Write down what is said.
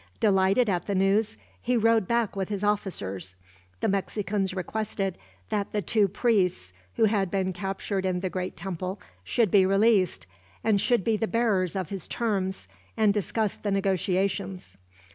Delighted at the news, he rode back with his officers. The Mexicans requested that the two priests who had been captured in the great temple should be released, and should be the bearers of his terms, and discuss the negotiations.